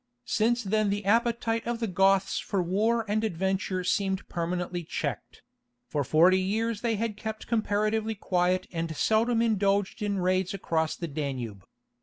Since then the appetite of the Goths for war and adventure seemed permanently checked: for forty years they had kept comparatively quiet and seldom indulged in raids across the Danube.